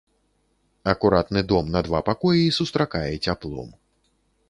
Акуратны дом на два пакоі сустракае цяплом.